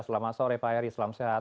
selamat sore pak heri selamat sehat